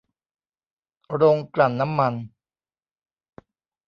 โรงกลั่นน้ำมัน